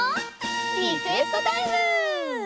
リクエストタイム！